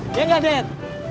iya gak ded